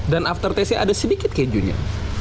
dan after tesnya ada sedikit kejunya